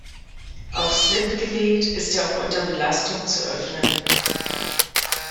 Auf Slip gelegt, ist er auch unter Belastung zu öffnen.